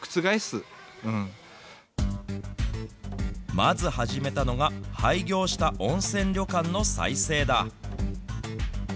まず始めたのが廃業した温泉旅館の再生だ。